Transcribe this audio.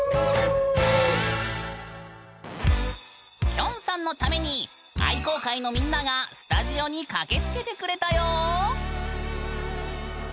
きょんさんのために愛好会のみんながスタジオに駆けつけてくれたよ！